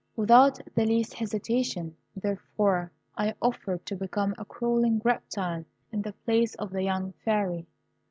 Without the least hesitation, therefore, I offered to become a crawling reptile in the place of the young Fairy.